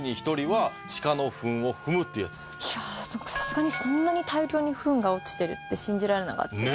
いやさすがにそんなに大量にフンが落ちてるって信じられなかったです。